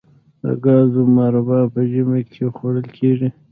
د ګازرو مربا په ژمي کې خوړل کیږي.